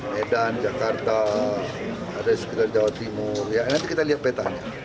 medan jakarta ada di sekitar jawa timur ya nanti kita lihat petanya